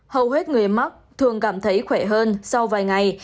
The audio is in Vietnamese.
hầu hết người mắc thường cảm thấy khỏe hơn sau vài ngày